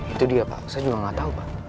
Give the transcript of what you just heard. itu dia pak